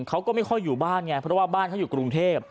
เขาก็ไม่ค่อยอยู่บ้านไงเพราะว่าบ้านเขาอยู่กรุงเทพ